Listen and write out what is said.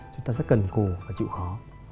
chúng ta rất cần cù và chịu khó